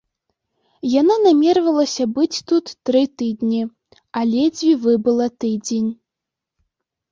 Яна намервалася быць тут тры тыдні, а ледзьве выбыла тыдзень.